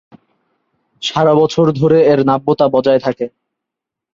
সারা বছর ধরে এর নাব্যতা বজায় থাকে।